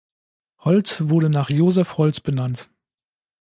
Holt wurde nach Joseph Holt benannt.